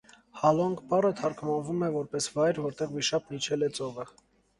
Հալոնգ բառը թարգմանվում է որպես «վայր, որտեղ վիշապն իջել է ծովը»։